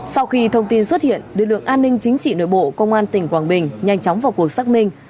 sau khi thông tin xuất hiện lực lượng an ninh chính trị nội bộ công an tỉnh quảng bình nhanh chóng vào cuộc xác minh